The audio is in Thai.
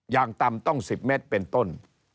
อย่างต่ำต้อง๑๐เมตรเป็นต้น